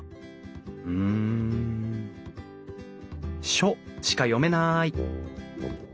「書」しか読めない。